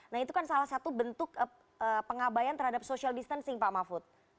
nah itu kan salah satu bentuk pengabayan terhadap social distancing pak mahfud